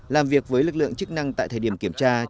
làm việc với lực lượng chức năng tại thời điểm kiểm tra